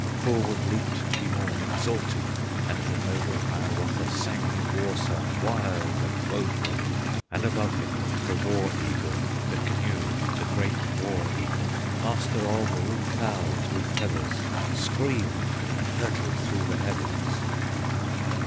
Forward leaped Cheemaun exulting, And the noble Hiawatha Sang his war song wild and woful, And above him the war eagle, The Keneu, the great war eagle, Master of all fowls with feathers, Screamed and hurtled through the heavens.